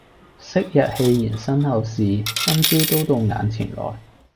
昔日戲言身后事，今朝都到眼前來。